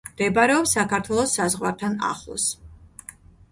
მდებარეობს საქართველოს საზღვართან ახლოს.